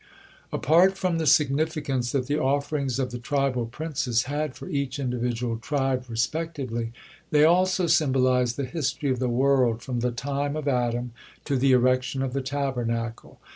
Apart from the significance that the offerings of the tribal princes had for each individual tribe respectively, they also symbolized the history of the world from the time of Adam to the erection of the Tabernacle.